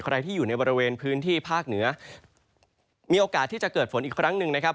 ใครที่อยู่ในบริเวณพื้นที่ภาคเหนือมีโอกาสที่จะเกิดฝนอีกครั้งหนึ่งนะครับ